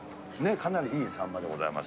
かなりいいサンマでございます。